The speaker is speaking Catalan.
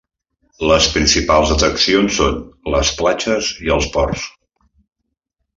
Les principals atraccions són les platges i els ports.